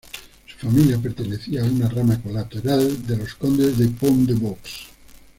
Su familia pertenecía a una rama colateral de los condes de Pont-de-Vaux.